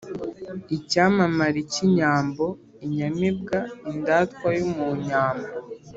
icyamamare k’inyambo: inyamibwa, indatwa yo mu nyambo